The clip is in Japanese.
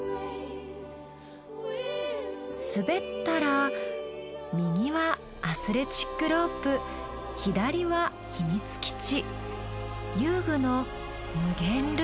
すべったら右はアスレチックロープ左は秘密基地。